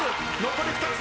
残り２つ。